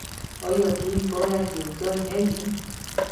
آیا دوی باید یوځای نه وي؟